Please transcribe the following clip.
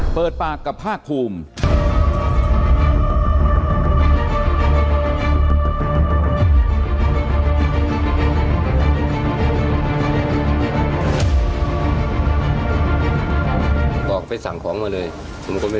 เปิดปากกับภาคภูมิ